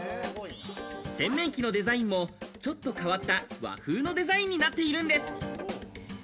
洗面器のデザインもちょっと変わった和風のデザインになっているんです。